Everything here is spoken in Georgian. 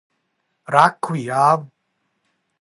რა გქვია?